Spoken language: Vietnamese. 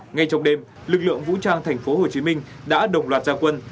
ngay trong đêm lực lượng vũ trang tp hcm đã đồng loạt gia quân